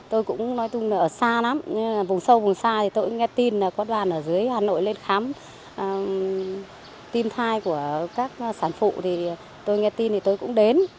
tôi cũng nói chung là ở xa lắm vùng sâu vùng xa thì tôi nghe tin là có đoàn ở dưới hà nội lên khám tim thai của các sản phụ thì tôi nghe tin thì tôi cũng đến